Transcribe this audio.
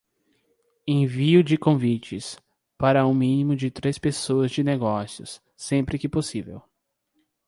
Envio de convites: para um mínimo de três pessoas de negócios, sempre que possível.